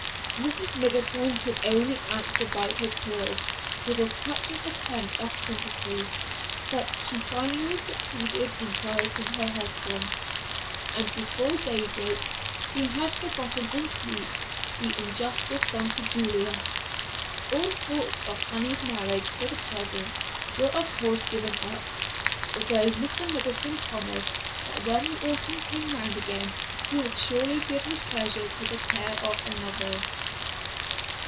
Mrs. Middleton could only answer by her tears to this touching attempt at sympathy, but she finally succeeded in quieting her husband, and before daybreak, he had forgotten in sleep the injustice done to Julia. All thoughts of Fanny's marriage for the present were of course given up, although Mr. Middleton promised that when the autumn came round again he would surely give his treasure to the care of another.